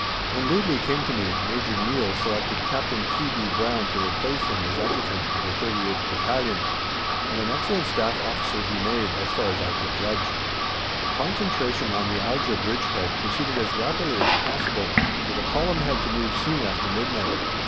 When Leadley came to me, Major Neill selected Captain T. B. Brown to replace him as Adjutant of the 38th Battalion, and an excellent staff officer he made, as far as I could judge. The concentration on the Auja bridgehead proceeded as rapidly as possible, for the Column had to move soon after midnight.